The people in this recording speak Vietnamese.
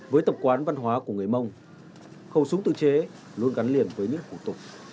với tập quán văn hóa của người mông khẩu súng tự chế luôn gắn liền với những cụ tục